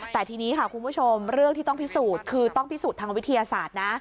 แต่ทีนี้ค่ะคุณผู้ชมเรื่องที่ต้องพิสูจน์คือต้องพิสูจน์ทางวิทยาศาสตร์นะ